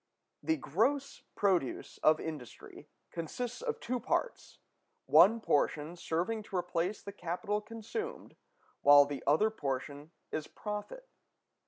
The gross produce of industry consists of two parts; one portion serving to replace the capital consumed, while the other portion is profit.